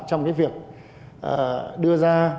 trong cái việc đưa ra